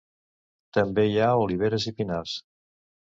També hi ha oliveres i pinars.